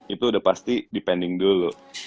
itu udah pasti dipending dulu